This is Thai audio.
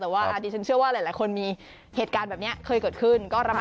แทนหน้าจุ่มพวงมาลัยไปแบบนี้นะคะ